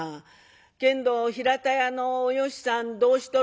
けんど平田屋のおよしさんどうしとる？